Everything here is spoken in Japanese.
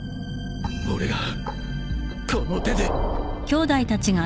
俺がこの手で。